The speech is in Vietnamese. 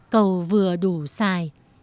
cầu vừa đủ xài